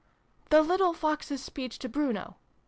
" The little Foxes' speech to Bruno.